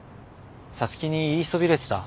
皐月に言いそびれてた。